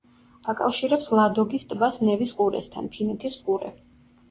აკავშირებს ლადოგის ტბას ნევის ყურესთან, ფინეთის ყურე.